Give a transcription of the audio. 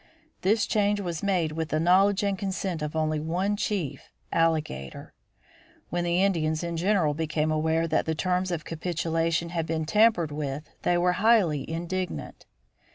This change was made with the knowledge and consent of only one chief, Alligator. When the Indians in general became aware that the terms of capitulation had been tampered with they were highly indignant.